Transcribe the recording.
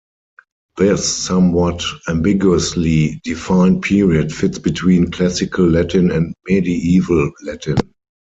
This somewhat-ambiguously-defined period fits between Classical Latin and Medieval Latin.